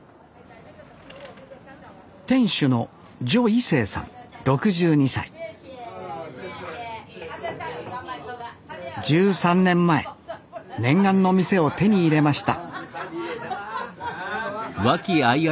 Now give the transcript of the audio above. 店主の１３年前念願の店を手に入れました